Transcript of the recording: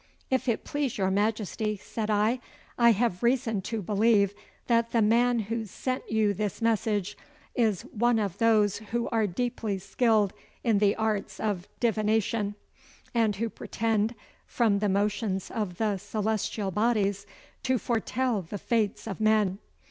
'If it please your Majesty,' said I, 'I have reason to believe that the man who sent you this message is one of those who are deeply skilled in the arts of divination, and who pretend from the motions of the celestial bodies to foretell the fates of men.